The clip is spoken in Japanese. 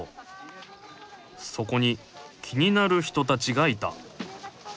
そこに気になる人たちがいた